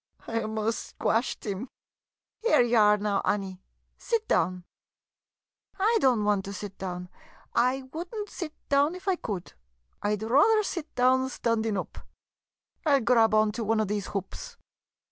] I 'most squashed 'im. Here ye are now, Annie — sit down. I don't want to sit down — I would n't sit down if I could — I 'd rather sit down standin' oop ! I '11 grab onto one of these hoops